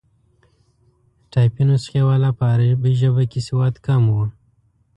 ټایپي نسخې والا په عربي ژبه کې سواد کم وو.